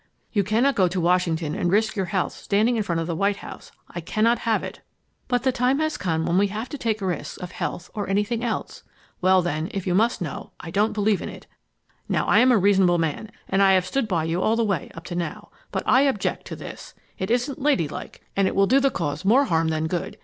"You cannot go to Washington and risk your health standing in front of the White House. I cannot have it." "But the time has come when we have to take risks of health or anything else." "Well, then, if you must know, I don't believe in it. Now I am a reasonable man and I have stood by you all the way up to now, but I object to this. It isn't ladylike, and it will do the cause more harm than good.